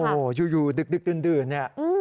โอ้โหอยู่ดึกดื่นเนี่ย